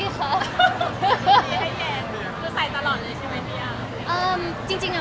แหวนก็แยงบาลให้เหมือนเดิมเสียดัง